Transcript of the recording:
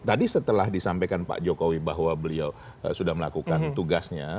tadi setelah disampaikan pak jokowi bahwa beliau sudah melakukan tugasnya